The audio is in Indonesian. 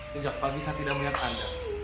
sejak pagi saya tidak melihat anda